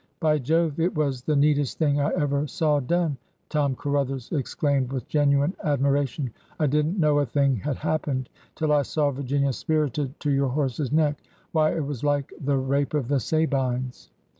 By Jove! it was the neatest thing I ever saw done! " Tom Caruthers exclaimed with genuine admiration. " I did n't know a thing had happened till I saw Virginia spirited to your horse's neck. Why, it was like the rape of the Sabines."